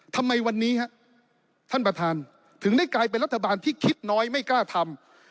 ทำไมวันนี้ฮะท่านประธานถึงได้กลายเป็นรัฐบาลที่คิดน้อยไม่กล้าทำ